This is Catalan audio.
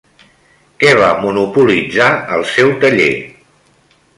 Què va monopolitzar el seu taller?